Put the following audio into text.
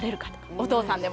お父さんでも。